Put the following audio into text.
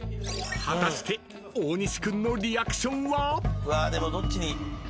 ［果たして大西君のリアクションは？］